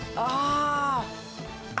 ああ。